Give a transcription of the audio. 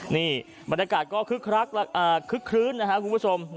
นี่บรรยากาศก็คึกคึกคลื้นนะครับคุณผู้ชม